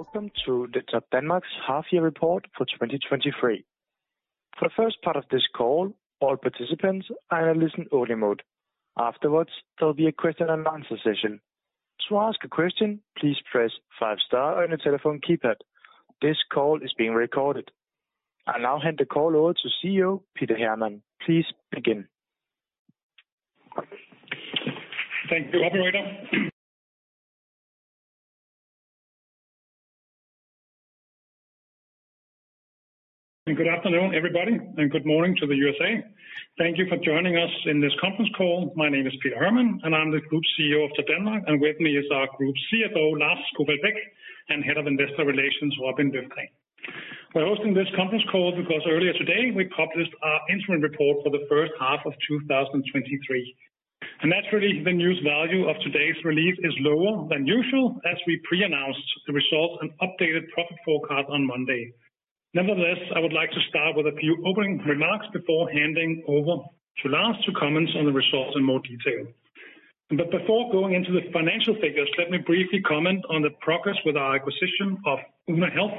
Welcome to the Topdanmark's half year report for 2023. For the first part of this call, all participants are in listen only mode. Afterwards, there will be a question and answer session. To ask a question, please press five Star on your telephone keypad. This call is being recorded. I now hand the call over to CEO Peter Hermann. Please begin. Thank you, operator. Good afternoon, everybody, and good morning to the U.S.A. Thank you for joining us in this conference call. My name is Peter Hermann, and I'm the Group CEO of Topdanmark, and with me is our Group CFO, Lars Kufall Beck, and Head of Investor Relations, Robin Hjelgaard Løfgren. We're hosting this conference call because earlier today, we published our interim report for the first half of 2023. Naturally, the news value of today's release is lower than usual, as we pre-announced the results and updated profit forecast on Monday. Nevertheless, I would like to start with a few opening remarks before handing over to Lars to comment on the results in more detail. Before going into the financial figures, let me briefly comment on the progress with our acquisition of Oona Health.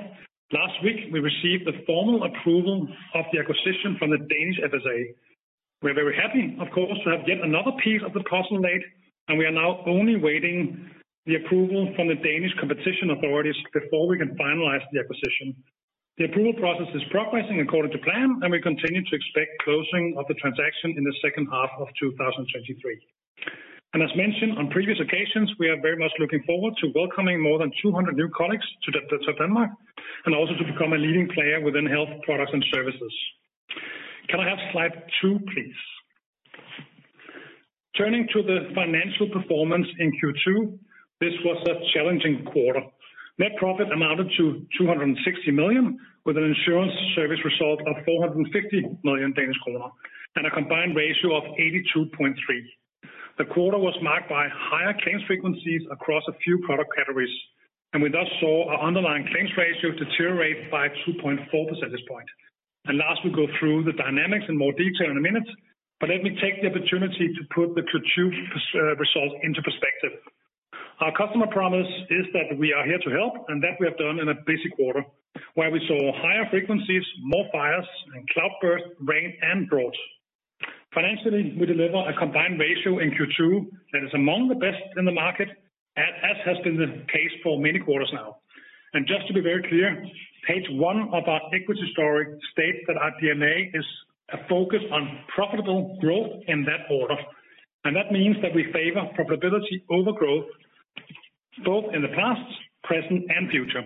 Last week, we received the formal approval of the acquisition from the Danish FSA. We are very happy, of course, to have yet another piece of the puzzle laid, and we are now only waiting the approval from the Danish competition authorities before we can finalize the acquisition. The approval process is progressing according to plan, and we continue to expect closing of the transaction in the second half of 2023. As mentioned on previous occasions, we are very much looking forward to welcoming more than 200 new colleagues to Topdanmark, and also to become a leading player within health products and services. Can I have Slide 2, please? Turning to the financial performance in Q2, this was a challenging quarter. Net profit amounted to 260 million, with an insurance service result of 450 million Danish kroner, and a combined ratio of 82.3. The quarter was marked by higher claims frequencies across a few product categories. We thus saw our underlying claims ratio deteriorate by 2.4 percentage point. Lars will go through the dynamics in more detail in a minute, but let me take the opportunity to put the Q2 result into perspective. Our customer promise is that we are here to help, and that we have done in a busy quarter, where we saw higher frequencies, more fires, and cloudburst, rain, and drought. Financially, we deliver a combined ratio in Q2 that is among the best in the market, as has been the case for many quarters now. Just to be very clear, page one of our equity story states that our DNA is a focus on profitable growth in that order, and that means that we favor profitability over growth, both in the past, present, and future.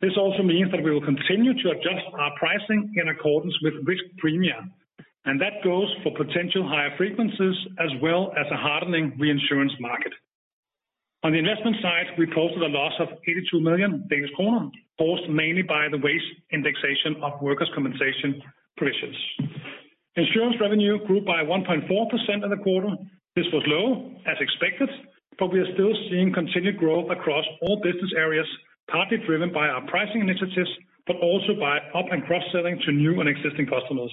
This also means that we will continue to adjust our pricing in accordance with risk premia, and that goes for potential higher frequencies as well as a hardening reinsurance market. On the investment side, we posted a loss of 82 million Danish kroner, forced mainly by the wage indexation of workers' compensation provisions. Insurance revenue grew by 1.4% in the quarter. This was low, as expected, but we are still seeing continued growth across all business areas, partly driven by our pricing initiatives, but also by up and cross-selling to new and existing customers.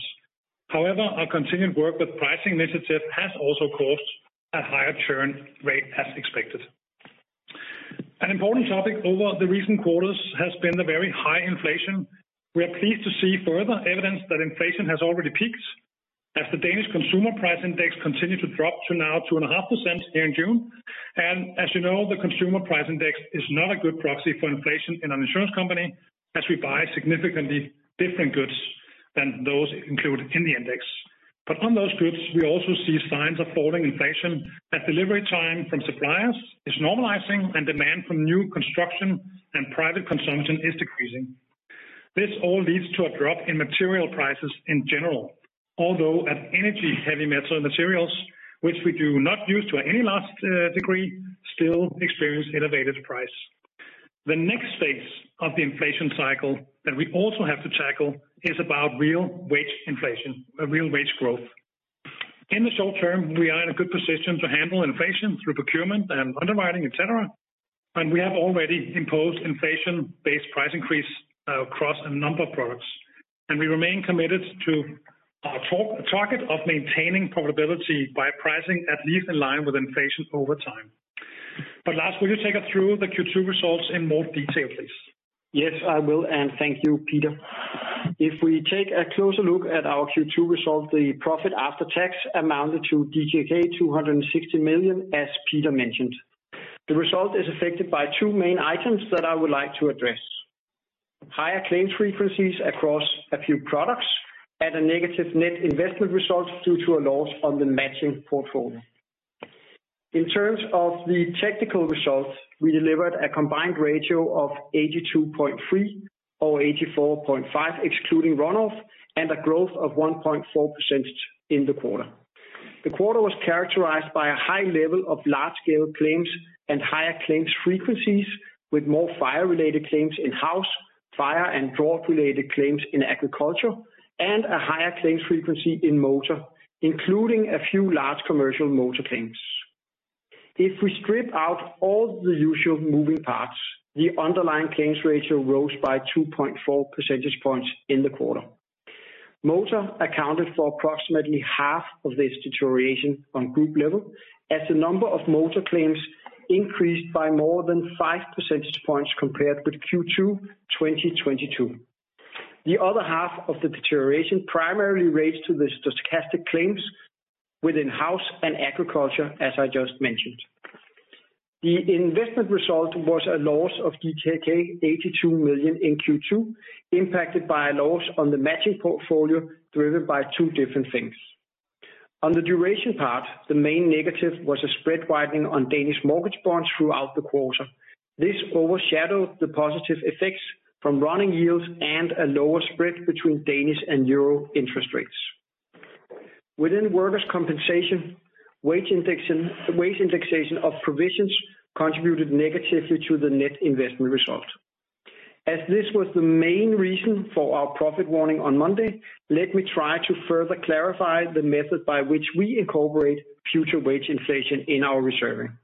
However, our continued work with pricing initiatives has also caused a higher churn rate, as expected. An important topic over the recent quarters has been the very high inflation. We are pleased to see further evidence that inflation has already peaked, as the Danish consumer price index continued to drop to now 2.5% here in June. As you know, the consumer price index is not a good proxy for inflation in an insurance company, as we buy significantly different goods than those included in the index. On those goods, we also see signs of falling inflation, that delivery time from suppliers is normalizing, and demand for new construction and private consumption is decreasing. This all leads to a drop in material prices in general, although at energy heavy metal materials, which we do not use to any large degree, still experience innovative price. The next phase of the inflation cycle that we also have to tackle is about real wage inflation, real wage growth. In the short term, we are in a good position to handle inflation through procurement and underwriting, et cetera, and we have already imposed inflation-based price increase across a number of products. We remain committed to our target of maintaining profitability by pricing at least in line with inflation over time. Lars, will you take us through the Q2 results in more detail, please? Yes, I will, and thank you, Peter. If we take a closer look at our Q2 results, the profit after tax amounted to DKK 260 million, as Peter mentioned. The result is affected by two main items that I would like to address: higher claims frequencies across a few products, and a negative net investment result due to a loss on the matching portfolio. In terms of the technical results, we delivered a combined ratio of 82.3 or 84.5, excluding run-off, and a growth of 1.4% in the quarter. The quarter was characterized by a high level of large-scale claims and higher claims frequencies, with more fire-related claims in house, fire and drought-related claims in agriculture, and a higher claims frequency in motor, including a few large commercial motor claims. If we strip out all the usual moving parts, the underlying claims ratio rose by 2.4 percentage points in the quarter. Motor accounted for approximately half of this deterioration on group level, as the number of motor claims increased by more than 5 percentage points compared with Q2 2022. The other half of the deterioration primarily relates to the stochastic claims within house and agriculture, as I just mentioned. The investment result was a loss of 82 million in Q2, impacted by a loss on the matching portfolio, driven by two different things. On the duration part, the main negative was a spread widening on Danish mortgage bonds throughout the quarter. This overshadowed the positive effects from running yields and a lower spread between Danish and Euro interest rates. Within workers' compensation, wage indexation of provisions contributed negatively to the net investment result. As this was the main reason for our profit warning on Monday, let me try to further clarify the method by which we incorporate future wage inflation in our reserving.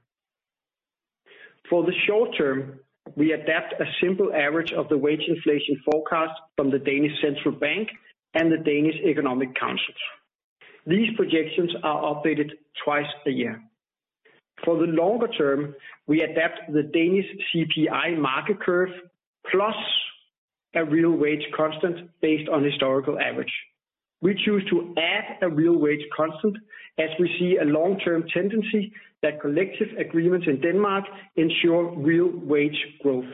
For the short term, we adapt a simple average of the wage inflation forecast from the Danish Central Bank and the Danish Economic Councils. These projections are updated twice a year. For the longer term, we adapt the Danish CPI market curve, plus a real wage constant based on historical average. We choose to add a real wage constant, as we see a long-term tendency that collective agreements in Denmark ensure real wage growth.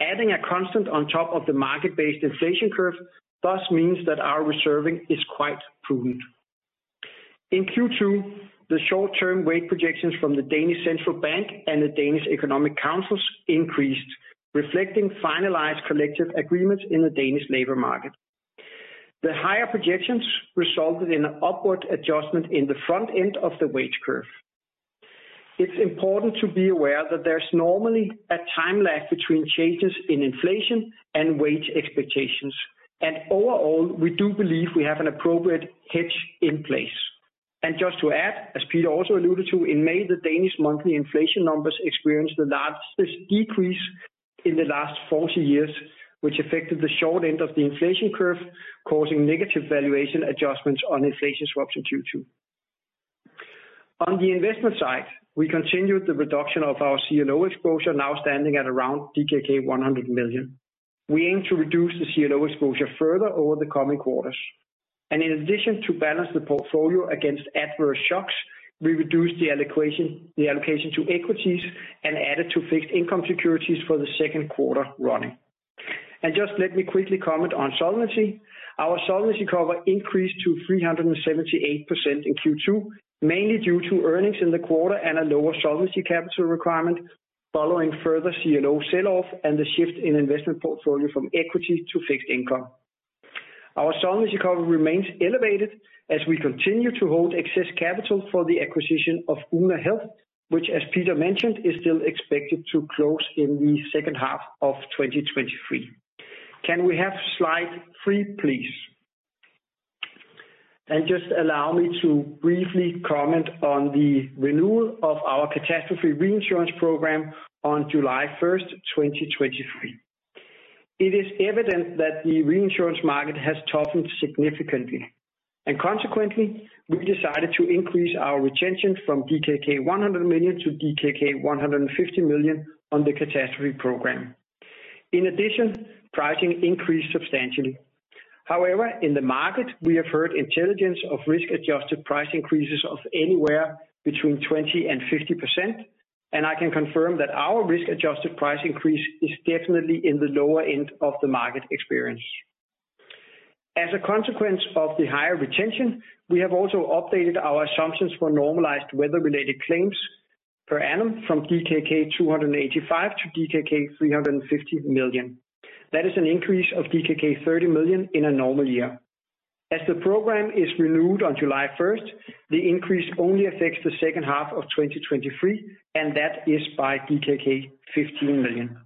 Adding a constant on top of the market-based inflation curve, thus means that our reserving is quite prudent. In Q2, the short-term wage projections from the Danish Central Bank and the Danish Economic Councils increased, reflecting finalized collective agreements in the Danish labor market. The higher projections resulted in an upward adjustment in the front end of the wage curve. It's important to be aware that there's normally a time lag between changes in inflation and wage expectations. Overall, we do believe we have an appropriate hedge in place. Just to add, as Peter also alluded to, in May, the Danish monthly inflation numbers experienced the largest decrease in the last 40 years, which affected the short end of the inflation curve, causing negative valuation adjustments on inflation swaps in Q2. On the investment side, we continued the reduction of our CLO exposure, now standing at around DKK 100 million. We aim to reduce the CLO exposure further over the coming quarters. In addition to balance the portfolio against adverse shocks, we reduced the allocation to equities and added to fixed income securities for the second quarter running. Just let me quickly comment on solvency. Our solvency cover increased to 378% in Q2, mainly due to earnings in the quarter and a lower solvency capital requirement, following further CLO sell-off and the shift in investment portfolio from equity to fixed income. Our solvency cover remains elevated as we continue to hold excess capital for the acquisition of Oona Health, which, as Peter mentioned, is still expected to close in the second half of 2023. Can we have Slide 3, please? Just allow me to briefly comment on the renewal of our catastrophe reinsurance program on July first, 2023. It is evident that the reinsurance market has toughened significantly, and consequently, we decided to increase our retention from DKK 100 million to DKK 150 million on the catastrophe program. In addition, pricing increased substantially. However, in the market, we have heard intelligence of risk-adjusted price increases of anywhere between 20% and 50%, and I can confirm that our risk-adjusted price increase is definitely in the lower end of the market experience. As a consequence of the higher retention, we have also updated our assumptions for normalized weather-related claims per annum from DKK 285 to DKK 350 million. That is an increase of DKK 30 million in a normal year. As the program is renewed on July 1st, the increase only affects the second half of 2023, and that is by DKK 15 million.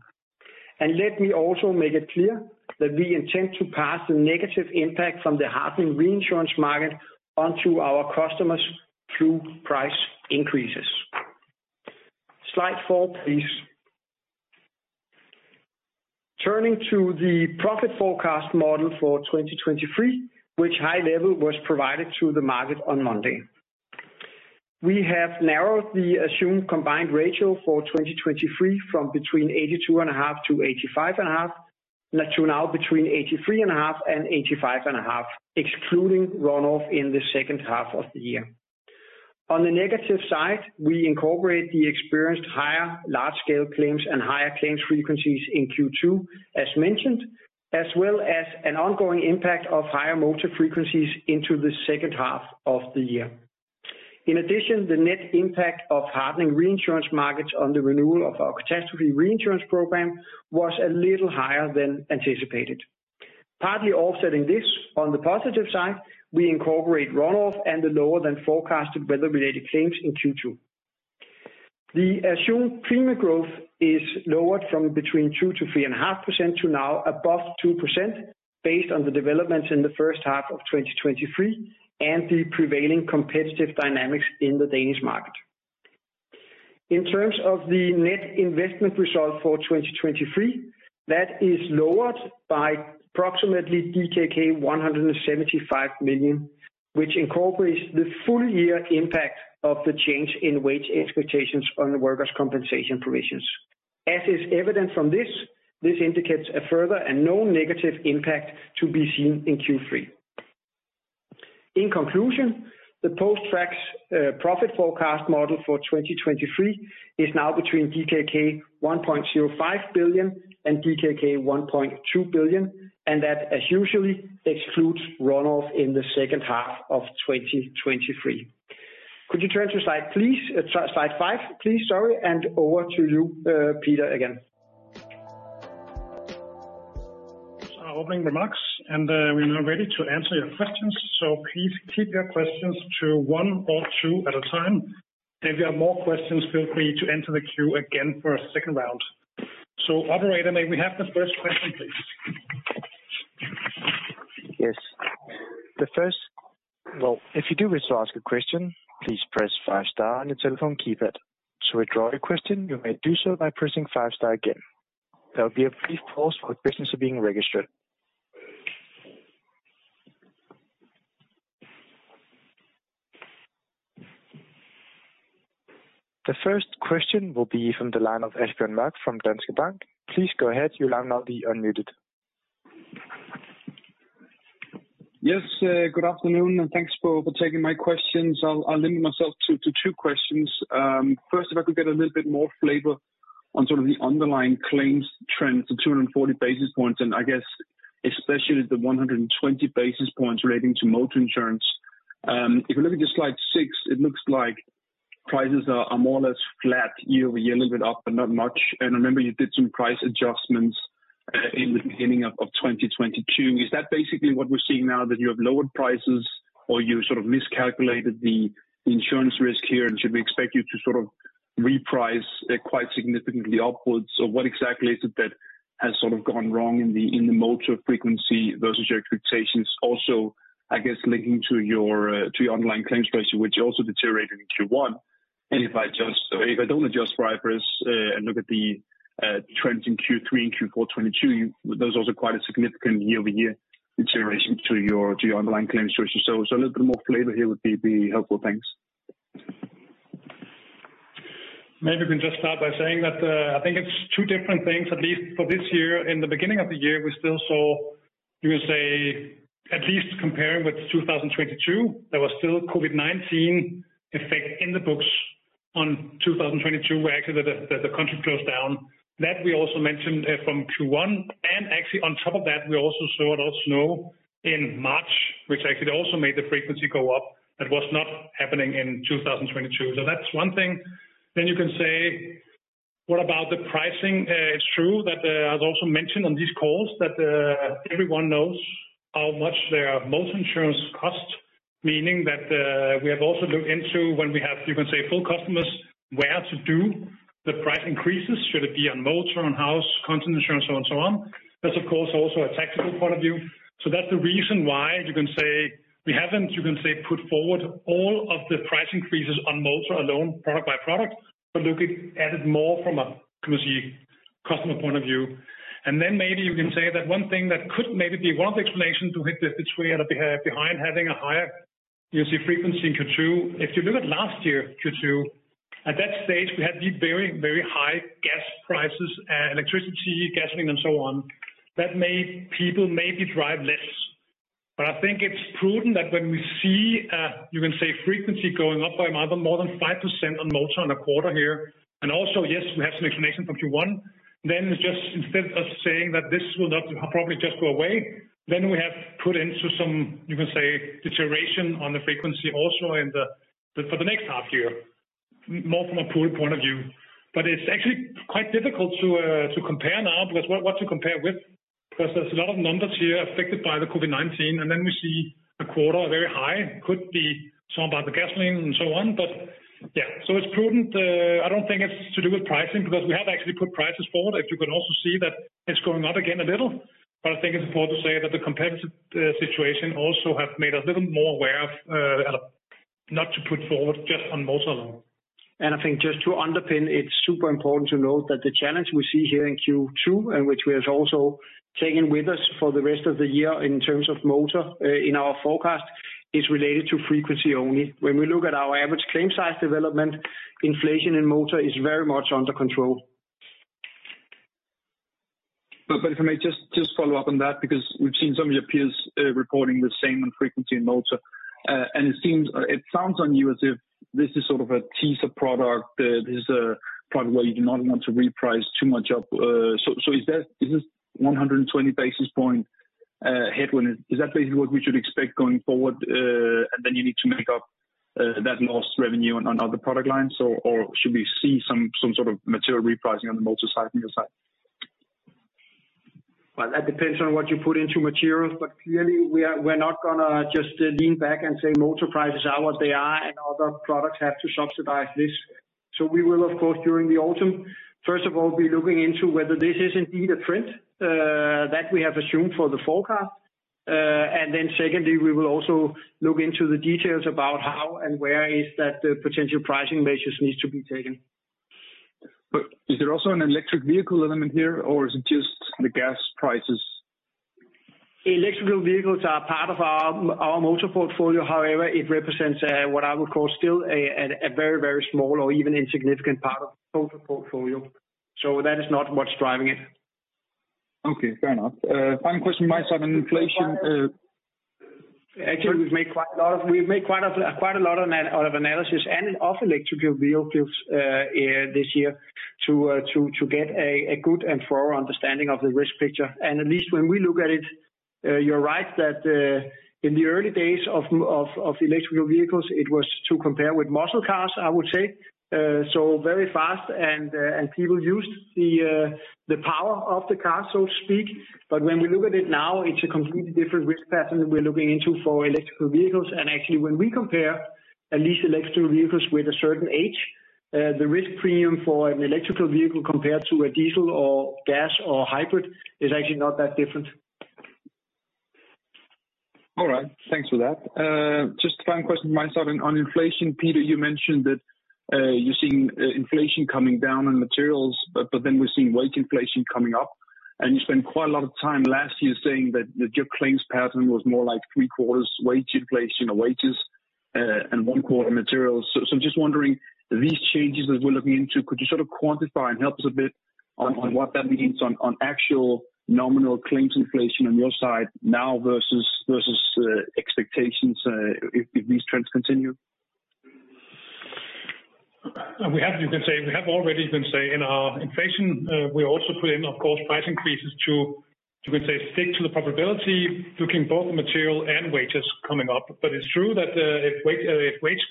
Let me also make it clear that we intend to pass the negative impact from the hardening reinsurance market onto our customers through price increases. Slide 4, please. Turning to the profit forecast model for 2023, which high level was provided to the market on Monday. We have narrowed the assumed combined ratio for 2023 from between 82 and a half% to 85 and a half%, to now between 83 and a half% and 85 and a half%, excluding run-off in the second half of the year. On the negative side, we incorporate the experienced higher large-scale claims and higher claims frequencies in Q2, as mentioned, as well as an ongoing impact of higher motor frequencies into the second half of the year. In addition, the net impact of hardening reinsurance markets on the renewal of our catastrophe reinsurance program was a little higher than anticipated. Partly offsetting this, on the positive side, we incorporate run-off and the lower than forecasted weather-related claims in Q2. The assumed premium growth is lowered from between 2% to 3.5% to now above 2%, based on the developments in the first half of 2023 and the prevailing competitive dynamics in the Danish market. In terms of the net investment result for 2023, that is lowered by approximately DKK 175 million, which incorporates the full year impact of the change in wage expectations on the workers' compensation provisions. As is evident from this indicates a further and no negative impact to be seen in Q3. In conclusion, the Post-tax's profit forecast model for 2023 is now between DKK 1.05 billion and DKK 1.2 billion, and that, as usually, excludes run-off in the second half of 2023. Could you turn to slide, please? Slide 5, please. Sorry, over to you, Peter, again. Opening remarks, and we are now ready to answer your questions, so please keep your questions to one or two at a time. If you have more questions, feel free to enter the queue again for a second round. Operator, may we have the first question, please? Yes. Well, if you do wish to ask a question, please press five Star on your telephone keypad. To withdraw your question, you may do so by pressing fie Star again. There will be a brief pause for the questions are being registered. The first question will be from the line of Asbjørn Mørk from Danske Bank. Please go ahead. You will now be unmuted. Yes, good afternoon, and thanks for taking my questions. I'll limit myself to two questions. First, if I could get a little bit more flavor on sort of the underlying claims trends, the 240 basis points, and I guess especially the 120 basis points relating to motor insurance. If you look at the Slide 6, it looks like prices are more or less flat year-over-year, a little bit up, but not much. I remember you did some price adjustments in the beginning of 2022. Is that basically what we're seeing now, that you have lowered prices or you sort of miscalculated the insurance risk here? Should we expect you to sort of reprice it quite significantly upwards? What exactly is it that has sort of gone wrong in the motor frequency versus your expectations? Also, I guess linking to your online claims ratio, which also deteriorated in Q1. If I just, if I don't adjust for IFRS, and look at the trends in Q3 and Q4 2022, those are also quite a significant year-over-year deterioration to your underlying claim situation. A little bit more flavor here would be helpful. Thanks. Maybe we can just start by saying that I think it's two different things, at least for this year. In the beginning of the year, we still saw, you would say, at least comparing with 2022, there was still COVID-19 effect in the books on 2022, where actually the country closed down. That we also mentioned from Q1, actually on top of that, we also saw a lot of snow in March, which actually also made the frequency go up. That was not happening in 2022. That's one thing. You can say, what about the pricing? It's true that, as also mentioned on these calls, that everyone knows how much their motor insurance costs, meaning that we have also looked into when we have, you can say, full customers, where to do the price increases. Should it be on motor, on house, content insurance, so on, so on. That's, of course, also a tactical point of view. That's the reason why you can say we haven't, you can say, put forward all of the price increases on motor alone, product by product, but looking at it more from a courtesy customer point of view. Then maybe you can say that one thing that could maybe be one of the explanations to hit this, which we are behind having a higher, you see frequency in Q2. If you look at last year, Q2, at that stage, we had the very, very high gas prices, electricity, gasoline, and so on, that made people maybe drive less. I think it's prudent that when we see, you can say frequency going up by more than 5% on motor on a quarter here, and also, yes, we have some explanation from Q1, then it's just instead of us saying that this will not probably just go away, then we have put into some, you can say, deterioration on the frequency also for the next half year, more from a pool point of view. It's actually quite difficult to compare now, because what to compare it with? There's a lot of numbers here affected by the COVID-19, and then we see a quarter very high, could be some about the gasoline and so on. It's prudent, I don't think it's to do with pricing, because we have actually put prices forward. If you can also see that it's going up again a little. I think it's important to say that the competitive situation also have made us a little more aware of not to put forward just on motor alone. I think just to underpin, it's super important to note that the challenge we see here in Q2, and which we have also taken with us for the rest of the year in terms of motor, in our forecast, is related to frequency only. When we look at our average claim size development, inflation in motor is very much under control. If I may just follow up on that, because we've seen some of your peers, reporting the same on frequency in motor, and it seems, it sounds on you as if this is sort of a teaser product. This is a product where you do not want to reprice too much up. Is this 120 basis point headwind, is that basically what we should expect going forward? You need to make up that lost revenue on other product lines, or should we see some sort of material repricing on the motor side from your side? Well, that depends on what you put into materials, but clearly, we're not gonna just lean back and say: Motor prices are what they are, and other products have to subsidize this. We will, of course, during the autumn, first of all, be looking into whether this is indeed a trend that we have assumed for the forecast. Secondly, we will also look into the details about how and where is that potential pricing measures needs to be taken. Is there also an electric vehicle element here or is it just the gas prices? Electrical vehicles are part of our motor portfolio, however, it represents what I would call still a very, very small or even insignificant part of total portfolio. That is not what's driving it. Okay, fair enough. Final question, my side on inflation. Actually, we've made quite a lot of analysis and of electrical vehicles this year to get a good and thorough understanding of the risk picture. At least when we look at it, you're right that in the early days of electrical vehicles, it was to compare with muscle cars, I would say. Very fast and people used the power of the car, so to speak. When we look at it now, it's a completely different risk pattern that we're looking into for electrical vehicles. Actually, when we compare at least electrical vehicles with a certain age, the risk premium for an electrical vehicle compared to a diesel or gas or hybrid is actually not that different. All right. Thanks for that. Just a final question on my side. On inflation, Peter, you mentioned that you're seeing inflation coming down on materials, then we're seeing wage inflation coming up. You spent quite a lot of time last year saying that your claims pattern was more like three quarters wage inflation and wages, and one quarter materials. Just wondering, these changes that we're looking into, could you sort of quantify and help us a bit on what that means on actual nominal claims inflation on your side now versus expectations, if these trends continue? We have, you can say, we have already been say in our inflation, we also put in, of course, price increases to, you can say, stick to the profitability, looking both material and wages coming up. It's true that, if wages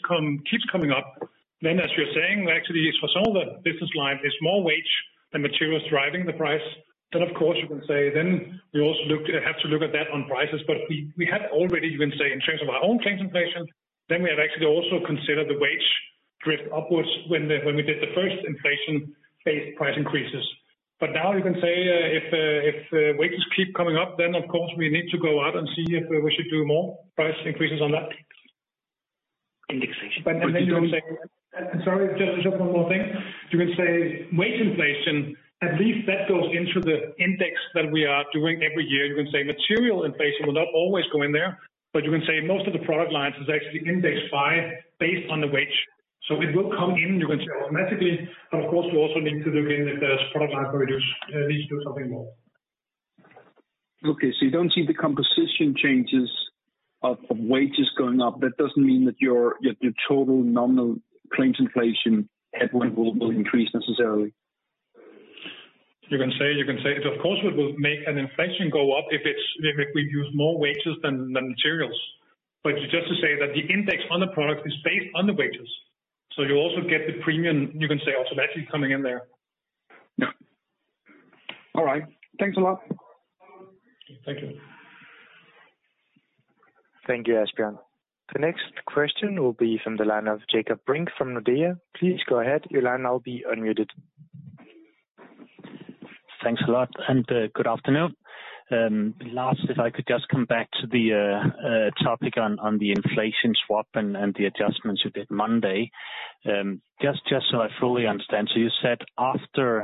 keeps coming up, then as you're saying, actually, for some of the business lines, it's more wage and materials driving the price. Of course, you can say then we also have to look at that on prices, but we have already, you can say, in terms of our own claims inflation, then we have actually also considered the wage drift upwards when we did the first inflation-based price increases. Now you can say, if wages keep coming up, then of course, we need to go out and see if we should do more price increases on that. Indexation. Sorry, just one more thing. You can say wage inflation, at least that goes into the index that we are doing every year. You can say material inflation will not always go in there, but you can say most of the product lines is actually indexed by based on the wage. It will come in, you can say, automatically, but of course, we also need to look in if there's product line where we do need to do something more. Okay, you don't see the composition changes of wages going up. That doesn't mean that your total nominal claims inflation headline will increase necessarily? You can say, of course, we will make an inflation go up if we use more wages than materials. Just to say that the index on the product is based on the wages, so you also get the premium, you can say, automatically coming in there. All right. Thanks a lot. Thank you. Thank you, Asbjørn. The next question will be from the line of Jakob Brink from Nordea. Please go ahead. Your line now will be unmuted. Thanks a lot, and good afternoon. Lars, if I could just come back to the topic on the inflation swap and the adjustments you did Monday. Just so I fully understand, so you said after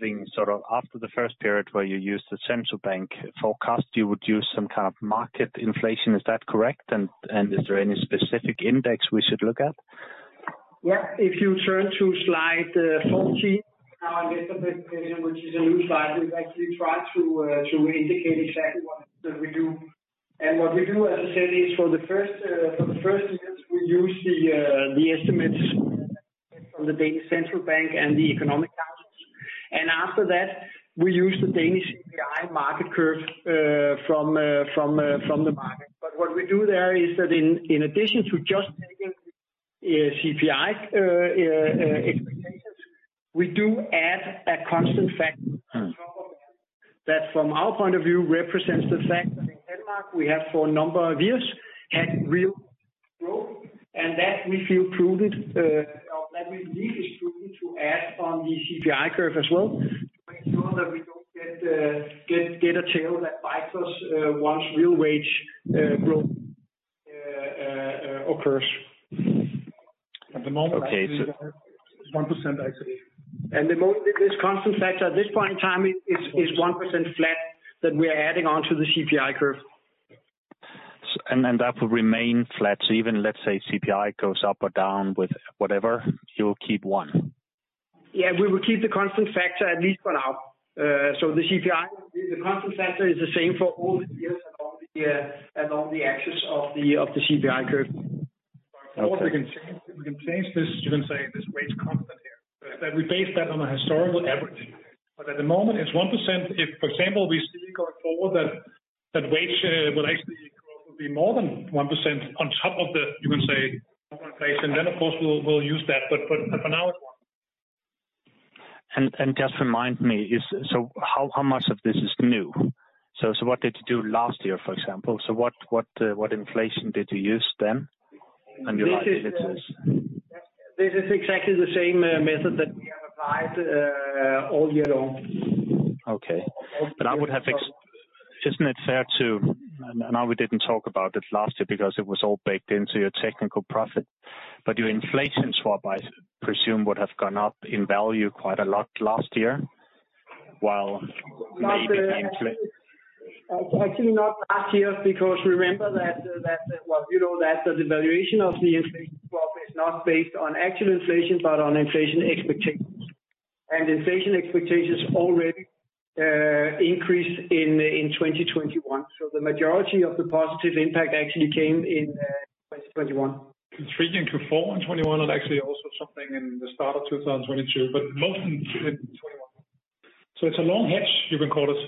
the first period where you used the central bank forecast, you would use some kind of market inflation. Is that correct? Is there any specific index we should look at? Yeah. If you turn to Slide 14, now, I get the bit, which is a new slide. We've actually tried to indicate exactly what it is that we do. What we do, as I said, is for the first, for the first years, we use the estimates from the Danish Central Bank and the Economic Councils. After that, we use the Danish API market curve from the market. What we do there is that in addition to just taking the CPI expectations, we do add a constant factor on top of that from our point of view, represents the fact that in Denmark, we have for a number of years had real growth, and that we feel proved it, that we believe is proven to add on the CPI curve as well, to make sure that we don't get a tail that bites us, once real wage growth occurs. Okay. 1%, actually. The moment, this constant factor, at this point in time, is 1% flat that we are adding on to the CPI curve. That will remain flat. Even let's say, CPI goes up or down with whatever, you'll keep one? Yeah, we will keep the constant factor, at least for now. The CPI, the constant factor is the same for all the years and all the, and all the axis of the, of the CPI curve. Okay. We can change this, you can say, this wage constant here. We base that on a historical average. At the moment, it's 1%. If, for example, we see going forward that wage will actually grow, will be more than 1% on top of the, you can say, inflation, then, of course, we'll use that. For now, it's one. Just remind me, so how much of this is new? What did you do last year, for example? What inflation did you use then? You like the answers? This is exactly the same method that we have applied all year long. Okay. Isn't it fair to, I know we didn't talk about it last year because it was all baked into your technical profit, your inflation swap, I presume, would have gone up in value quite a lot last year, while maybe? Actually not last year, because remember that, well, you know that the valuation of the inflation swap is not based on actual inflation, but on inflation expectations. Inflation expectations already increased in 2021. The majority of the positive impact actually came in 2021. Three into four in 2021, and actually also something in the start of 2022, but most in 2021. It's a long hedge, you can call it.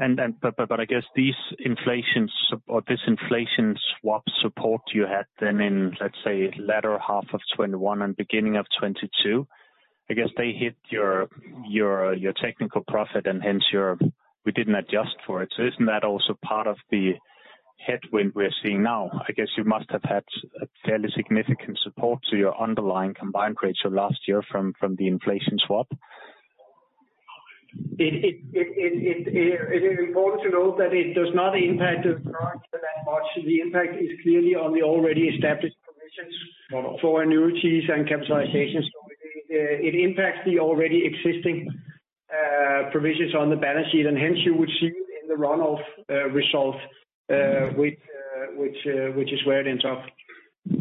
I guess these inflations or this inflation swap support you had then in, let's say, latter half of 2021 and beginning of 2022, I guess they hit your technical profit and we didn't adjust for it. Isn't that also part of the headwind we're seeing now? I guess you must have had a fairly significant support to your underlying combined ratio last year from the inflation swap. It is important to note that it does not impact us that much. The impact is clearly on the already established provisions for annuities and capitalizations. It impacts the already existing provisions on the balance sheet, and hence you would see it in the run-off results, which is where it ends up.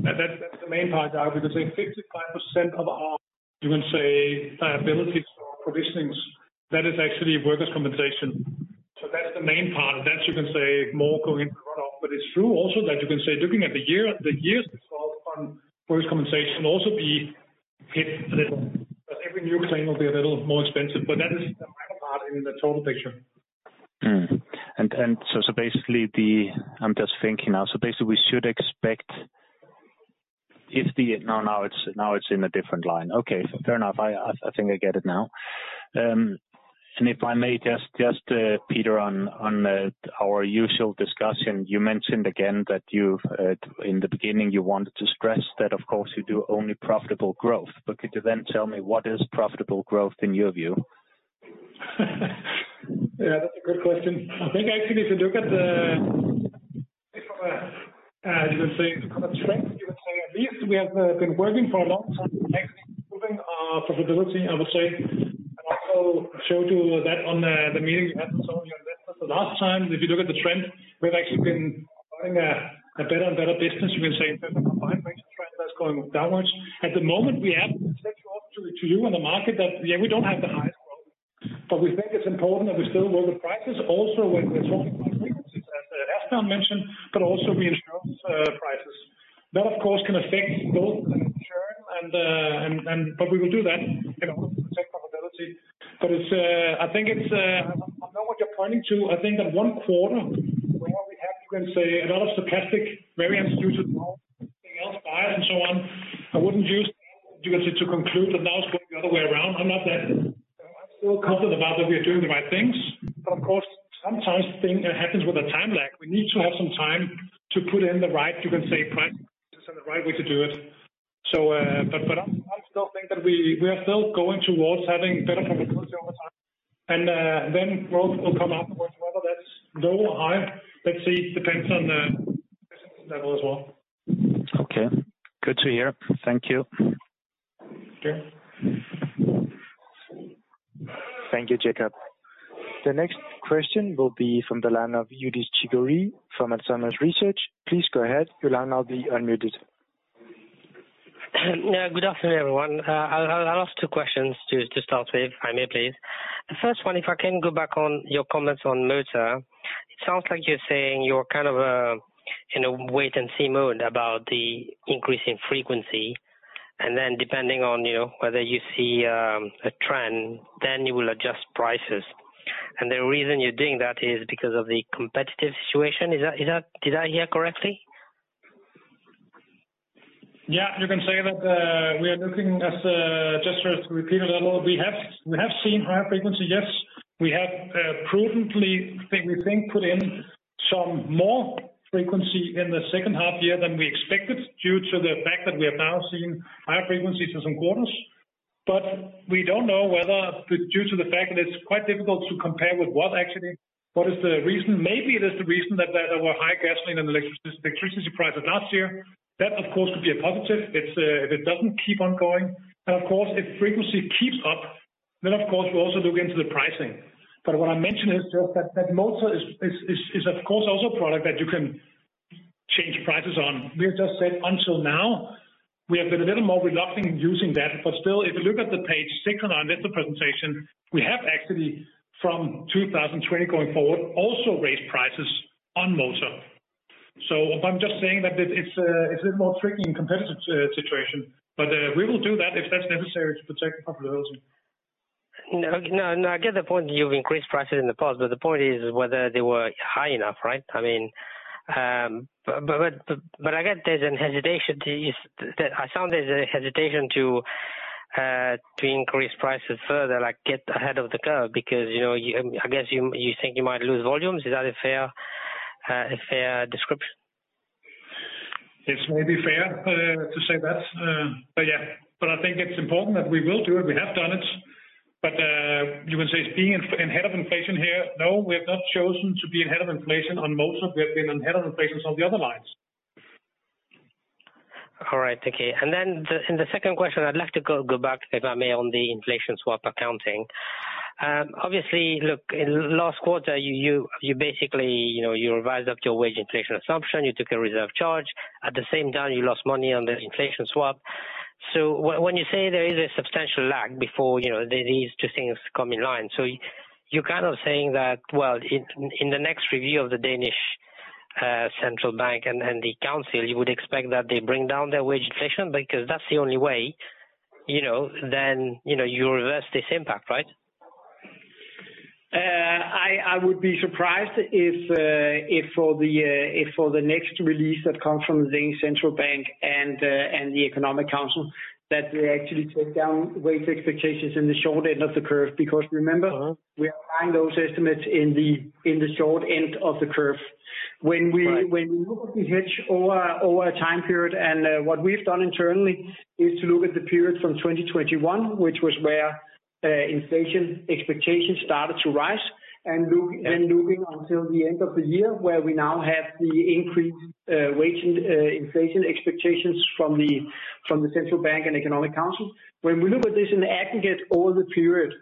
That's the main part, because I think 55% of our, you can say, abilities or provisions, that is actually workers' compensation. That's the main part. That's, you can say, more going run-off. It's true also that you can say, looking at the years on workers' compensation also be hit a little, but every new claim will be a little more expensive, but that is the minor part in the total picture. Basically, the... I'm just thinking now. Basically, we should expect if the no, now it's, now it's in a different line. Okay, fair enough. I think I get it now. If I may just, Peter, on our usual discussion, you mentioned again that you've in the beginning, you wanted to stress that, of course, you do only profitable growth. Could you then tell me what is profitable growth in your view? Yeah, that's a good question. I think actually, if you look at the, you can say, from a trend, you would say at least we have been working for a long time, actually improving our profitability, I would say, and also show to that on the meeting you had with some of your investors the last time. If you look at the trend, we've actually been running a better and better business. You can say combined trend that's going downwards. At the moment, we have to offer to you and the market that, yeah, we don't have the highest growth, but we think it's important that we still grow the prices also when we're talking about frequencies, as Lars mentioned, but also we insure prices. That, of course, can affect both the return and we will do that in order to protect profitability. It's I think it's I know what you're pointing to. I think that one quarter where we have, you can say, a lot of stochastic, very institutional, anything else, buyers and so on, I wouldn't use that to conclude that now it's going the other way around. I'm not that. I'm still confident about that we are doing the right things. Of course, sometimes thing happens with a time lag. We need to have some time to put in the right, you can say, prices and the right way to do it. I still think that we are still going towards having better profitability over time, and then growth will come up, whether that's low or high, let's see. Depends on the level as well. Okay. Good to hear. Thank you. Okay. Thank you, Jakob. The next question will be from the line of Yudis Chiguri from Alzheimer's Research. Please go ahead. Your line now be unmuted. Good afternoon, everyone. I'll ask two questions to start with, if I may, please. The first one, if I can go back on your comments on motor. It sounds like you're saying you're kind of in a wait and see mode about the increase in frequency, and then depending on, you know, whether you see a trend, then you will adjust prices. The reason you're doing that is because of the competitive situation. Is that, did I hear correctly? Yeah, you can say that, we are looking as, just to repeat a level, we have seen higher frequency, yes. We have, prudently, we think, put in some more frequency in the second half year than we expected, due to the fact that we have now seen higher frequencies in some quarters. We don't know whether due to the fact that it's quite difficult to compare with what actually, what is the reason. Maybe it is the reason that there were high gasoline and electricity prices last year. That, of course, could be a positive, if it doesn't keep on going. Of course, if frequency keeps up, then, of course, we also look into the pricing. What I mentioned is just that motor is, of course, also a product that you can change prices on. We have just said until now, we have been a little more reluctant in using that. Still, if you look at the page 6 on our letter presentation, we have actually from 2020 going forward, also raised prices on motor. I'm just saying that it's a little more tricky and competitive situation, but we will do that if that's necessary to protect the profitability. No, no, I get the point, you've increased prices in the past. The point is whether they were high enough, right? I mean, I get there's a hesitation to increase prices further, like get ahead of the curve, because, you know, you, I guess you think you might lose volumes. Is that a fair, a fair description? It's maybe fair, to say that, but yeah. I think it's important that we will do it, we have done it. You can say it's being in, ahead of inflation here. No, we have not chosen to be ahead of inflation on most of we have been ahead of inflations on the other lines. All right, okay. Then the second question, I'd like to go back to on the inflation swap accounting. Obviously, look, in last quarter, you basically, you know, you revised up your wage inflation assumption, you took a reserve charge, at the same time, you lost money on the inflation swap. When you say there is a substantial lag before, you know, these two things come in line, so you're kind of saying that: well, in the next review of the Danish Central Bank and the Council, you would expect that they bring down their wage inflation, because that's the only way, you know, then, you know, you reverse this impact, right? I would be surprised if for the next release that come from the Central Bank and the Economic Council, that they actually take down wage expectations in the short end of the curve. Uh-huh. we are finding those estimates in the, in the short end of the curve. Right. When we look at the hedge over a time period, what we've done internally, is to look at the period from 2021, which was where inflation expectations started to rise. Looking until the end of the year, where we now have the increased wage inflation expectations from the Central Bank and Economic Council. When we look at this in the aggregate over the period,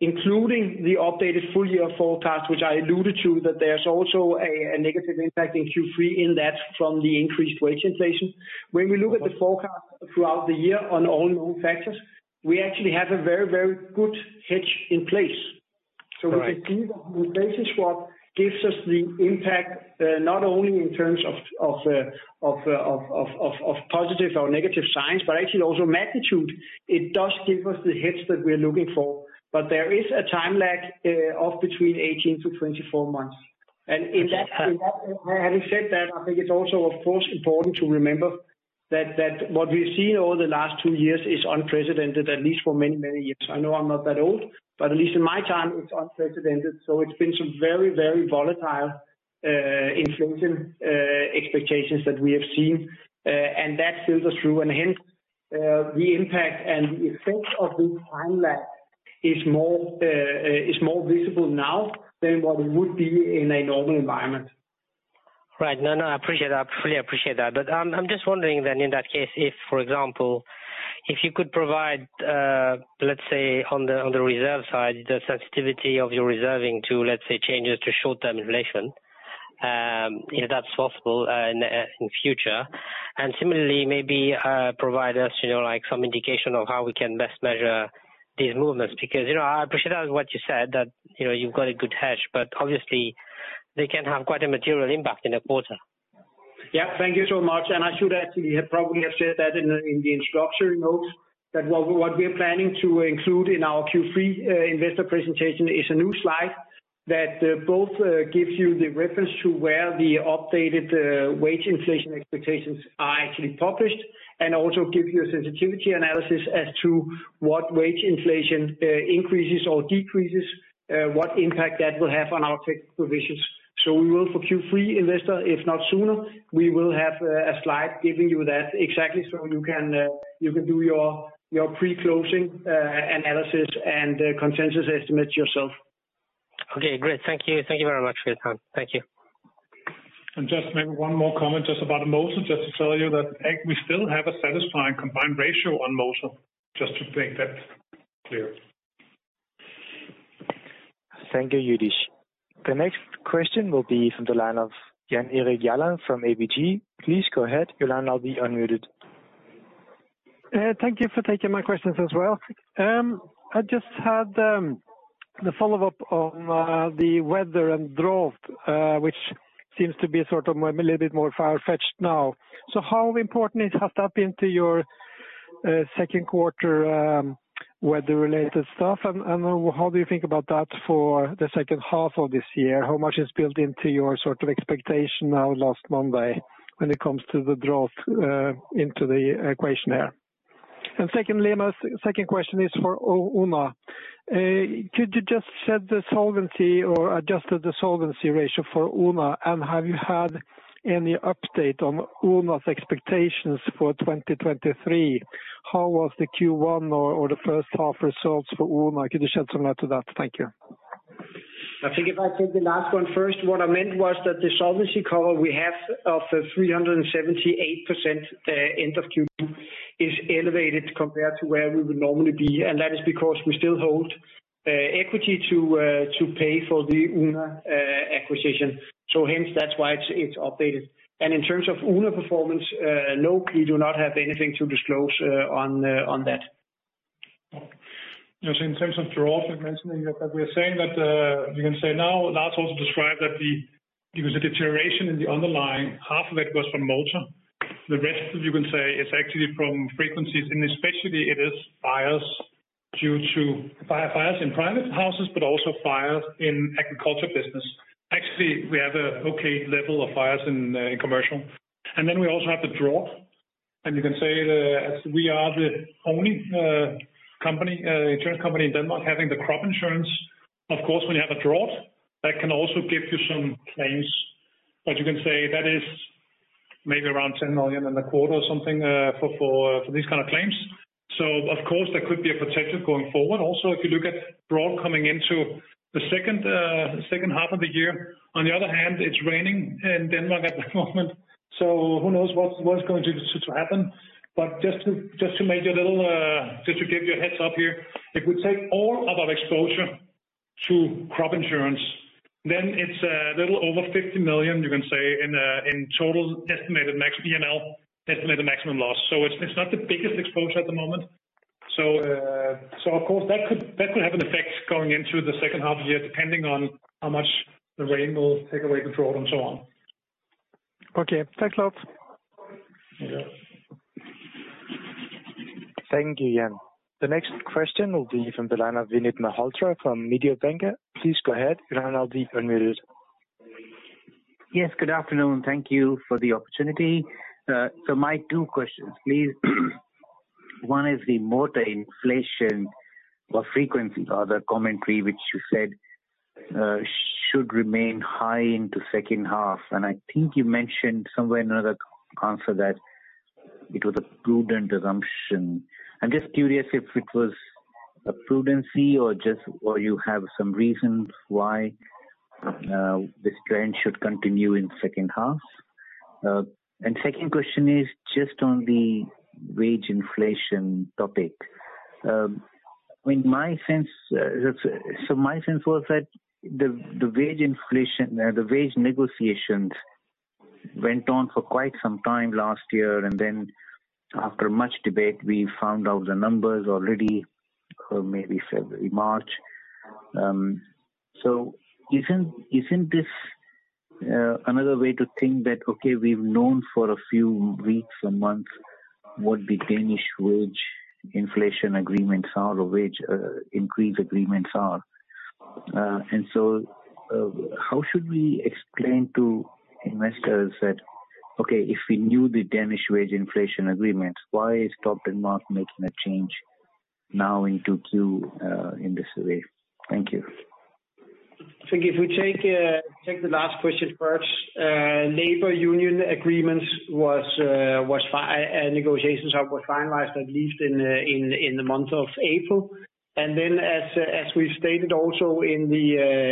including the updated full year forecast, which I alluded to, that there's also a negative impact in Q3 in that from the increased wage inflation. When we look at the forecast throughout the year on all known factors, we actually have a very, very good hedge in place. Right. We see the basis what gives us the impact, not only in terms of positive or negative signs, but actually also magnitude. It does give us the hits that we're looking for, but there is a time lag of between 18-24 months. In that, having said that, I think it's also, of course, important to remember that what we've seen over the last 2 years is unprecedented, at least for many, many years. I know I'm not that old, but at least in my time, it's unprecedented, so it's been some very, very volatile inflation expectations that we have seen. That filters through, and hence, the impact and the effect of the time lag is more visible now than what it would be in a normal environment. Right. No, no, I appreciate that. I fully appreciate that. I'm just wondering then, in that case, if, for example, if you could provide, let's say, on the reserve side, the sensitivity of your reserving to, let's say, changes to short-term inflation, if that's possible, in the future? Similarly, maybe, provide us, you know, like some indication of how we can best measure these movements. You know, I appreciate what you said, that, you know, you've got a good hedge, but obviously they can have quite a material impact in the quarter. Yeah, thank you so much. I should actually have probably have said that in the, in the instructor notes, that what we are planning to include in our Q3 investor presentation, is a new slide that both gives you the reference to where the updated wage inflation expectations are actually published, and also give you a sensitivity analysis as to what wage inflation increases or decreases, what impact that will have on our workers' compensation provisions. We will for Q3 investor, if not sooner, we will have a slide giving you that exactly so you can do your pre-closing analysis and consensus estimates yourself. Okay, great. Thank you. Thank you very much for your time. Thank you. Just maybe one more comment, just about the motor, just to tell you that we still have a satisfying combined ratio on motor, just to make that clear. Thank you, Yudish. The next question will be from the line of Jan Erik Gjerland from ABG. Please go ahead, Gjerland, now you're unmuted. Thank you for taking my questions as well. I just had the follow-up on the weather and drought, which seems to be sort of a little bit more far-fetched now. How important has that been to your second quarter weather-related stuff? How do you think about that for the second half of this year? How much is built into your sort of expectation now, last Monday, when it comes to the drought, into the equation there? Secondly, my second question is for Oona. Could you just shed the solvency or adjusted the solvency ratio for Oona? Have you had any update on Oona's expectations for 2023? How was the Q1 or the first half results for Oona? Could you shed some light to that? Thank you. I think if I take the last one first, what I meant was that the solvency cover we have of the 378% end of Q2, is elevated compared to where we would normally be, and that is because we still hold equity to pay for the Oona acquisition. Hence, that's why it's updated. In terms of Oona performance, no, we do not have anything to disclose on that. Just in terms of drought, I'm mentioning that we are saying that, you can say now, Lars also described that it was a deterioration in the underlying, half of it was from motor. The rest, you can say, is actually from frequencies.... due to fire, fires in private houses, but also fires in agriculture business. Actually, we have a okay level of fires in commercial, and then we also have the drought. You can say that as we are the only company, insurance company in Denmark, having the crop insurance, of course, when you have a drought, that can also give you some claims. You can say that is maybe around 10 million in the quarter or something for these kind of claims. Of course, there could be a potential going forward. Also, if you look at drought coming into the second half of the year. On the other hand, it's raining in Denmark at the moment, so who knows what's going to happen? Just to make a little, just to give you a heads up here, if we take all of our exposure to crop insurance, then it's a little over 50 million, you can say, in total estimated max PNL, estimated maximum loss. It's not the biggest exposure at the moment. Of course, that could have an effect going into the second half of the year, depending on how much the rain will take away the drought and so on. Okay, thanks a lot. Thank you, Jan. The next question will be from Vinit Malhotra from Mediobanca. Please go ahead, Vinit, you're unmuted. Yes, good afternoon. Thank you for the opportunity. My two questions, please. One is the motor inflation or frequency, or the commentary, which you said, should remain high into second half. I think you mentioned somewhere in another answer that it was a prudent assumption. I'm just curious if it was a prudency or just, or you have some reasons why, this trend should continue in second half? Second question is just on the wage inflation topic. In my sense, my sense was that the wage inflation, the wage negotiations went on for quite some time last year, and then after much debate, we found out the numbers already, maybe February, March. Isn't this another way to think that, okay, we've known for a few weeks or months what the Danish wage inflation agreements are, or wage increase agreements are? How should we explain to investors that, okay, if we knew the Danish wage inflation agreement, why is Topdanmark making a change now into Q in this way? Thank you. If we take the last question first. Labor union agreements was negotiations were finalized, at least in the month of April. As we stated also in the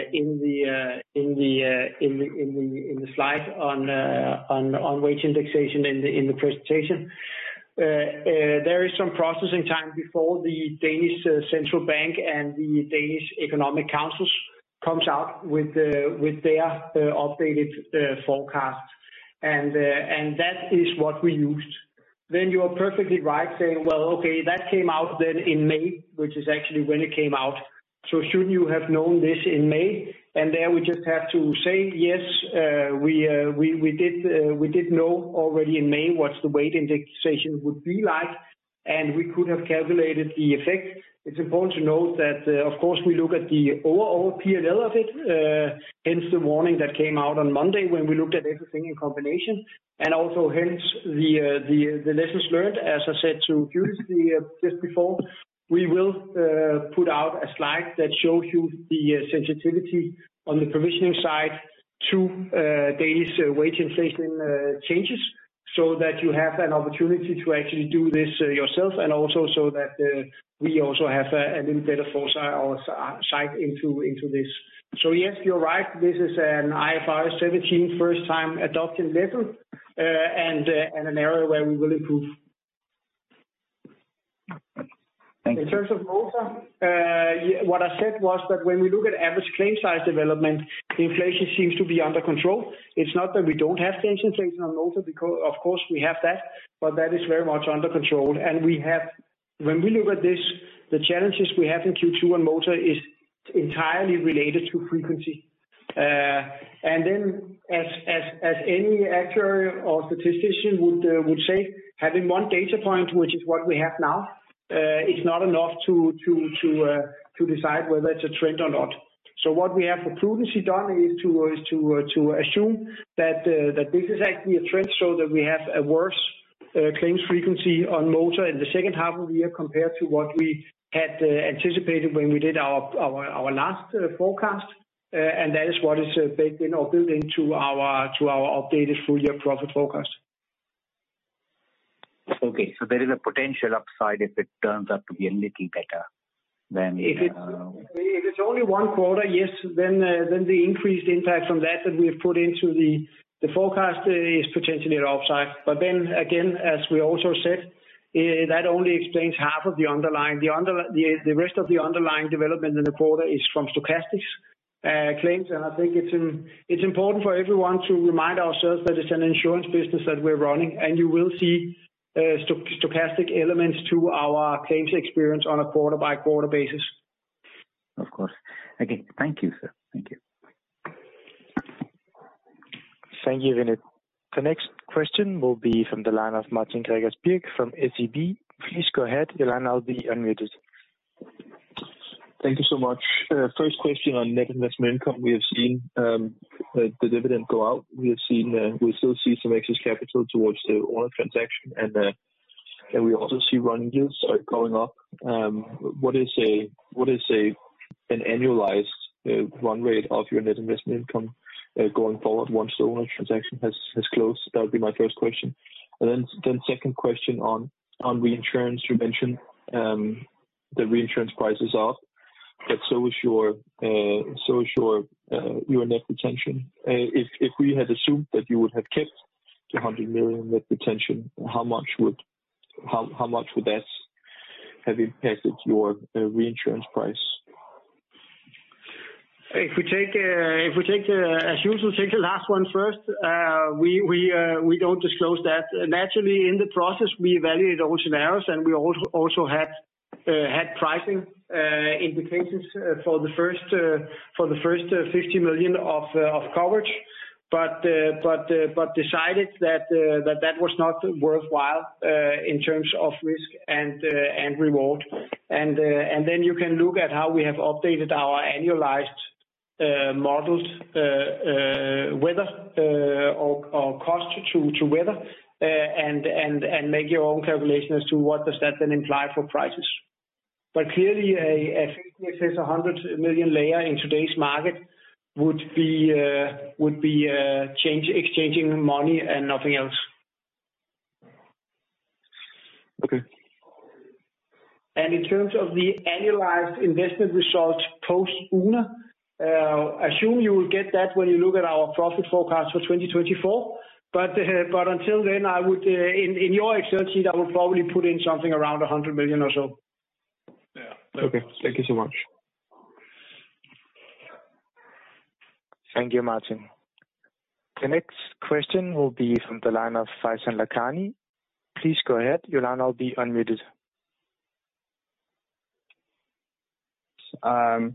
slide on wage indexation in the presentation, there is some processing time before the Danish Central Bank and the Danish Economic Councils comes out with their updated forecast. That is what we used. You are perfectly right saying, well, okay, that came out then in May, which is actually when it came out. Shouldn't you have known this in May? There we just have to say, yes, we did know already in May what's the wage indexation would be like, and we could have calculated the effect. It's important to note that, of course, we look at the overall PNL of it, hence the warning that came out on Monday when we looked at everything in combination, and also hence the lessons learned as I said to Julius just before. We will put out a slide that shows you the sensitivity on the provisioning side to daily wage inflation changes, so that you have an opportunity to actually do this yourself, and also so that we also have a little better foresight or sight into this. Yes, you're right, this is an IFRS 17 first time adoption level, and an area where we will improve. Thank you. In terms of motor, what I said was that when we look at average claim size development, inflation seems to be under control. It's not that we don't have the inflation on motor, because of course we have that, but that is very much under control. When we look at this, the challenges we have in Q2 on motor is entirely related to frequency. Then as any actuary or statistician would say, having one data point, which is what we have now, is not enough to decide whether it's a trend or not. What we have, for prudency, done is to assume that this is actually a trend, so that we have a worse claims frequency on motor in the second half of the year, compared to what we had anticipated when we did our last forecast. That is what is baked in or built into our, to our updated full year profit forecast. There is a potential upside if it turns out to be a little better than... If it's only one quarter, yes, then the increased impact from that we have put into the forecast is potentially an upside. Again, as we also said, that only explains half of the underlying. The rest of the underlying development in the quarter is from stochastics claims. I think it's important for everyone to remind ourselves that it's an insurance business that we're running, and you will see stochastic elements to our claims experience on a quarter by quarter basis. Of course. Okay. Thank you, sir. Thank you. Thank you, Vinit. The next question will be from the line of Martin Gregers Birk from SEB. Please go ahead, your line now will be unmuted. Thank you so much. First question on net investment income. We have seen the dividend go out. We have seen we still see some excess capital towards the Oona transaction, we also see run-off are going up. What is a an annualized run rate of your net investment income going forward once the Oona transaction has closed? That would be my first question. Then second question on reinsurance. You mentioned the reinsurance price is up, but so is your net retention. If we had assumed that you would have kept the 100 million net retention, how much would that have impacted your reinsurance price? If we take, as usual, take the last one first. We don't disclose that. Naturally, in the process, we evaluate all scenarios, and we also had pricing indications for the first 50 million of coverage. decided that that was not worthwhile in terms of risk and reward. Then you can look at how we have updated our annualized modeled weather or cost to weather and make your own calculation as to what does that then imply for prices. Clearly, I think it is a 100 million layer in today's market would be exchanging money and nothing else. Okay. In terms of the annualized investment results, post Oona, assume you will get that when you look at our profit forecast for 2024. But until then, I would, in your Excel sheet, I would probably put in something around 100 million or so. Yeah. Okay. Thank you so much. Thank you, Martin. The next question will be from the line of Faizan Lakhani. Please go ahead. Your line will now be unmuted. Hi,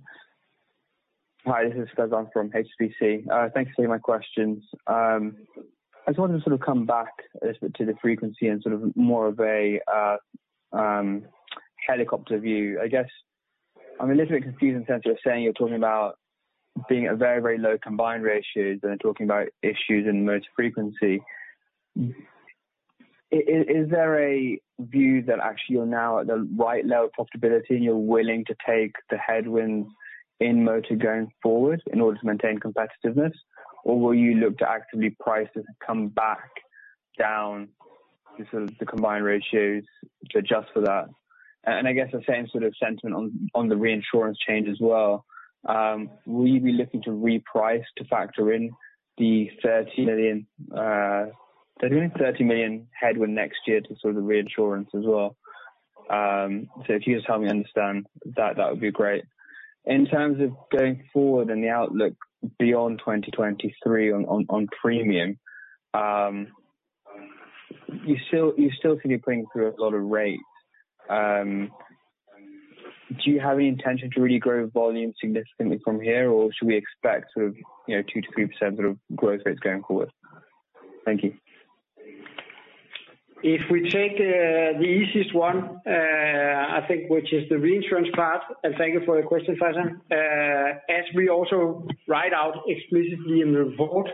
this is Faizan from HSBC. Thanks for taking my questions. I just wanted to sort of come back a little bit to the frequency and sort of more of a helicopter view. I guess I'm a little bit confused in terms of saying you're talking about being at very, very low combined ratios and then talking about issues in motor frequency. Is there a view that actually you're now at the right level of profitability, and you're willing to take the headwinds in motor going forward in order to maintain competitiveness? Will you look to actively price it and come back down to sort of the combined ratios to adjust for that? I guess the same sort of sentiment on the reinsurance change as well. Will you be looking to reprice to factor in the 30 million they're doing 30 million headwind next year to the reinsurance as well. If you just help me understand that would be great. In terms of going forward and the outlook beyond 2023 on premium, you still seem to be going through a lot of rates. Do you have any intention to really grow volume significantly from here, or should we expect, you know, 2%-3% growth rates going forward? Thank you. If we take the easiest one, I think, which is the reinsurance part, and thank you for the question, Faizan. As we also write out explicitly in the report,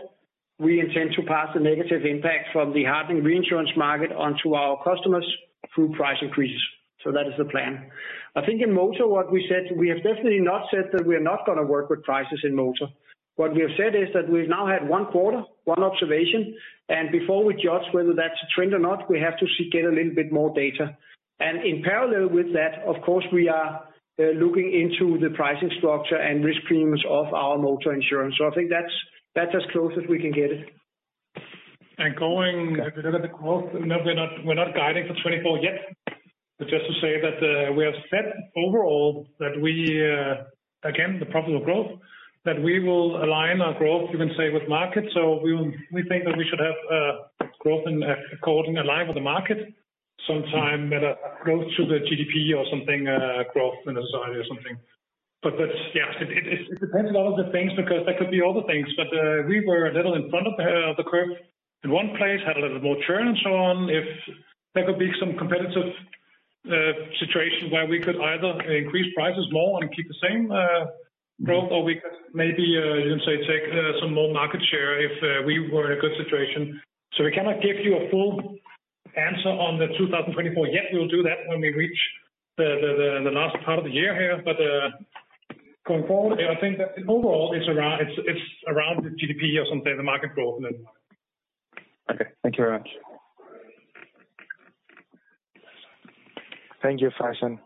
we intend to pass the negative impact from the hardening reinsurance market onto our customers through price increases, so that is the plan. I think in motor, what we said, we have definitely not said that we're not gonna work with prices in motor. What we have said is that we've now had one quarter, one observation, and before we judge whether that's a trend or not, we have to get a little bit more data. In parallel with that, of course, we are looking into the pricing structure and risk premiums of our motor insurance. I think that's as close as we can get it. Going, if you look at the growth, no, we're not guiding for 2024 yet. Just to say that we have said overall that we, again, the profitable growth, that we will align our growth, you can say, with market. We think that we should have growth in accordance, in line with the market, sometime better growth to the GDP or something, growth in society or something. That's. Yeah, it depends on a lot of the things, because there could be other things. We were a little in front of the curve. In one place, had a little more churn and so on. If there could be some competitive situation where we could either increase prices more and keep the same growth, or we could maybe, let's say, take some more market share if we were in a good situation. We cannot give you a full answer on 2024 yet. We will do that when we reach the last part of the year here. Going forward, I think that overall it's around, it's around the GDP or something, the market growth then. Okay, thank you very much. Thank you, Faizan.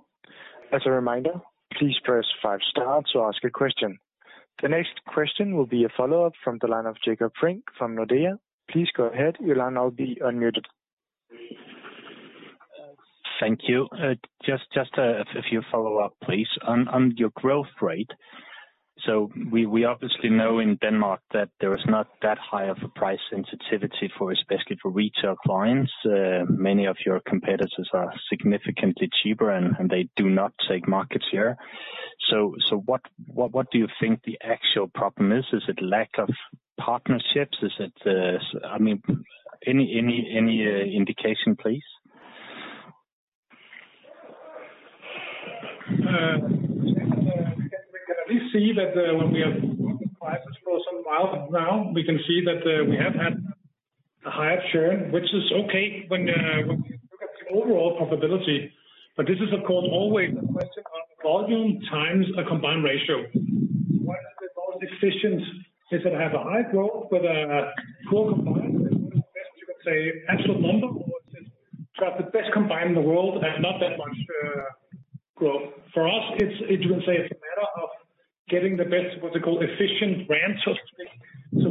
As a reminder, please press five Star to ask a question. The next question will be a follow-up from the line of Jakob Brink from Nordea. Please go ahead. Your line now be unmuted. Thank you. Just a few follow-up, please. On your growth rate, we obviously know in Denmark that there is not that high of a price sensitivity for especially for retail clients. Many of your competitors are significantly cheaper, and they do not take markets here. What do you think the actual problem is? Is it lack of partnerships? Is it, I mean, any indication, please? We can at least see that, when we have working prices for some while now, we can see that, we have had a higher share, which is okay when you look at the overall profitability. This is, of course, always a question of volume times a combined ratio. What is the most efficient? Is it have a high growth with a poor combined, you can say absolute number, or is it got the best combined in the world and not that much growth? For us, it's, you can say it's a matter of getting the best, what you call efficient ramp, so to speak.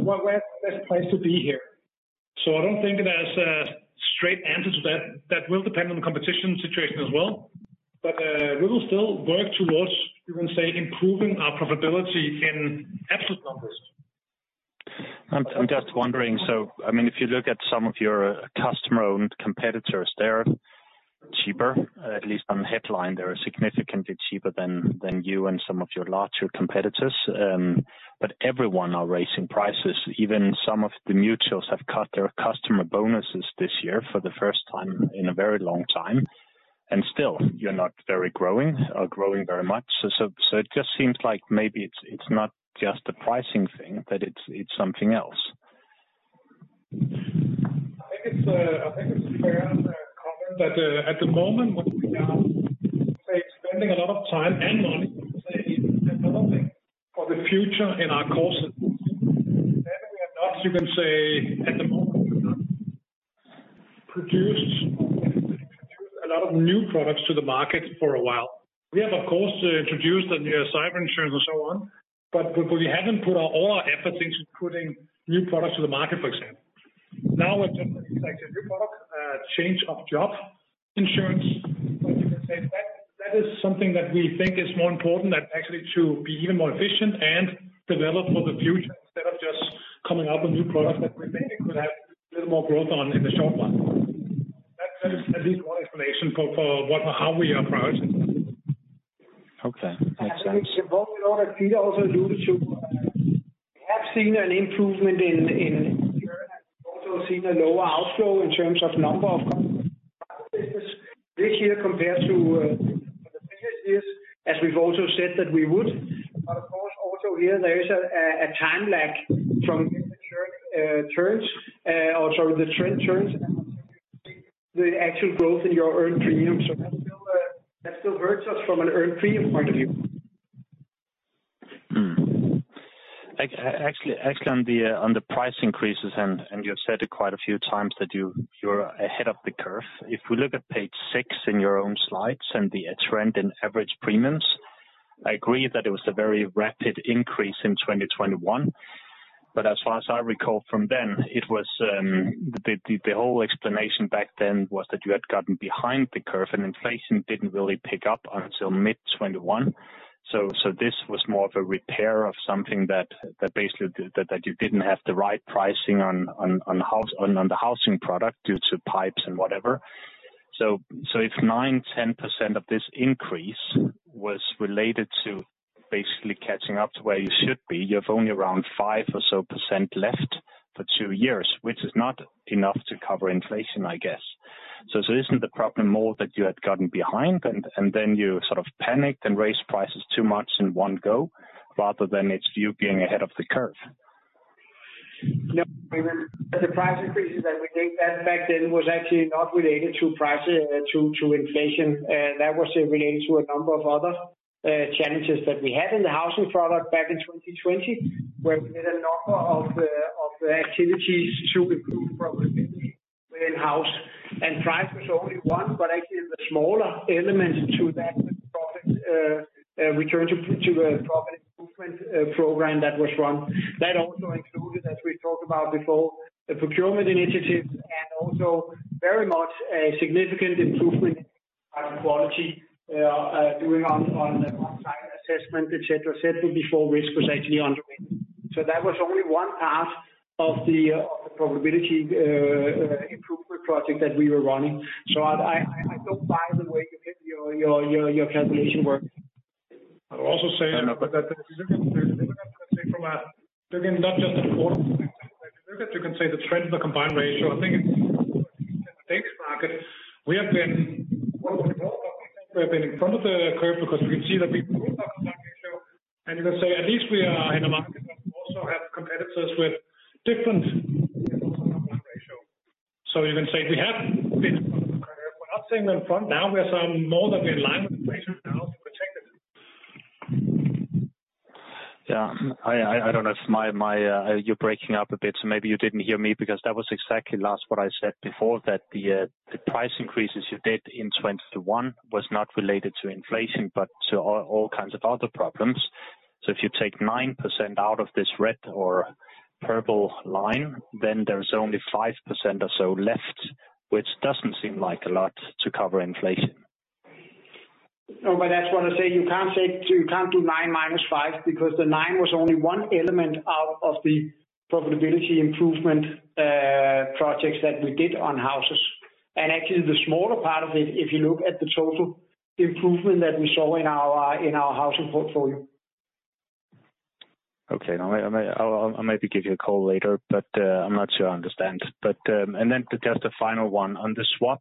What, where's the best place to be here? I don't think there's a straight answer to that. That will depend on the competition situation as well. We will still work towards, you can say, improving our profitability in absolute numbers. I'm just wondering, so, I mean, if you look at some of your customer-owned competitors, they're cheaper, at least on the headline, they're significantly cheaper than you and some of your larger competitors. Everyone are raising prices. Even some of the mutuals have cut their customer bonuses this year for the first time in a very long time. Still, you're not very growing, or growing very much. It just seems like maybe it's not just a pricing thing, that it's something else. I think it's, I think it's fair comment that, at the moment, what we are, say, spending a lot of time and money, say, in developing for the future in our courses. We are not, you can say, at the moment, we've not produced a lot of new products to the market for a while. We have, of course, introduced the new cyber insurance and so on, but we haven't put all our effort into putting new products to the market, for example. It's like a new product, change of job insurance. You can say that is something that we think is more important that actually to be even more efficient and develop for the future, instead of just coming up with new products that we think it could have a little more growth on in the short run. That's, at least one explanation for what or how we are prioritizing. Okay. Makes sense. We know that Peter also allude to. We have seen an improvement in here, and also seen a lower outflow in terms of number of business this year compared to the previous years, as we've also said that we would. Of course, also here, there is a time lag from the trend turns, the actual growth in your earned premium. That still hurts us from an earned premium point of view. Actually, on the price increases, you've said it quite a few times that you're ahead of the curve. If we look at page six in your own slides and the trend in average premiums, I agree that it was a very rapid increase in 2021. As far as I recall from then, it was. The whole explanation back then was that you had gotten behind the curve, and inflation didn't really pick up until mid 2021. This was more of a repair of something that basically, that you didn't have the right pricing on the housing product due to pipes and whatever. If 9%-10% of this increase was related to basically catching up to where you should be, you have only around 5% or so left for two years, which is not enough to cover inflation, I guess. Isn't the problem more that you had gotten behind and then you sort of panicked and raised prices too much in one go, rather than it's you being ahead of the curve? No, the price increases that we take that back then was actually not related to prices, to inflation, that was related to a number of other challenges that we had in the housing product back in 2020, where we had a number of activities to improve profitability within house. Price was only one, but actually the smaller element to that profit return to a profit improvement program that was run. That also included, as we talked about before, the procurement initiative and also very much a significant improvement in quality doing on site assessment, et cetera, et cetera, before risk was actually underway. That was only one part of the profitability improvement project that we were running. I don't buy the way you did your calculation work. I'll also say that from a, again, not just a quarter, you can say the trend of the combined ratio. I think in the Danish market, we have been in front of the curve because we can see that we and you can say at least we are in a market that also have competitors with different ratio. You can say we're not saying them front, now, we are some more than in line with inflation now protected. I don't know if my, you're breaking up a bit, so maybe you didn't hear me, because that was exactly last what I said before, that the price increases you did in 2021 was not related to inflation, but to all kinds of other problems. If you take 9% out of this red or purple line, then there's only 5% or so left, which doesn't seem like a lot to cover inflation. That's what I say, you can't say, you can't do nine minus five, because the nine was only one element out of the profitability improvement, projects that we did on houses. Actually, the smaller part of it, if you look at the total improvement that we saw in our, in our housing portfolio. Okay, now I may, I'll maybe give you a call later, but, I'm not sure I understand. Just a final one on the swap.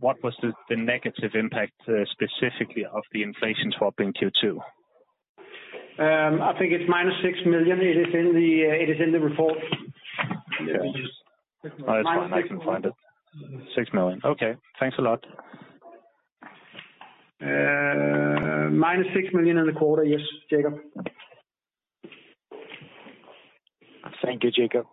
What was the negative impact specifically of the inflation swap in Q2? I think it's minus 6 million. It is in the report. Yes. Oh, that's fine. I can find it. 6 million. Okay. Thanks a lot. Minus 6 million in the quarter. Yes, Jakob. Thank you, Jacob.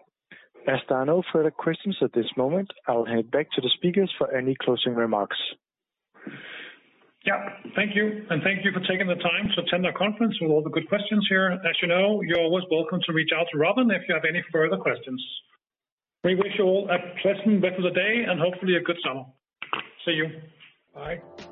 As there are no further questions at this moment, I'll head back to the speakers for any closing remarks. Yeah, thank you. Thank you for taking the time to attend our conference with all the good questions here. As you know, you're always welcome to reach out to Robin if you have any further questions. We wish you all a pleasant rest of the day and hopefully a good summer. See you. Bye.